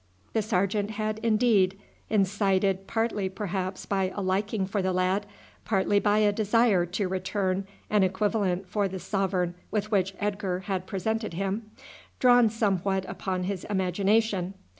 The sergeant had indeed incited partly perhaps by a liking for the lad, partly by a desire to return an equivalent for the sovereign with which Edgar had presented him drawn somewhat upon his imagination.